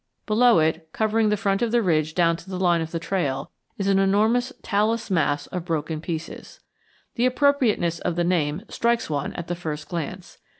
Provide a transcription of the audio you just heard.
Below it, covering the front of the ridge down to the line of the trail, is an enormous talus mass of broken pieces. The appropriateness of the name strikes one at the first glance.